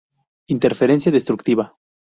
Interferencia destructiva